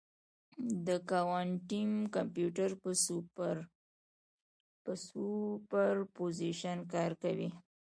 د کوانټم کمپیوټر په سوپرپوزیشن کار کوي.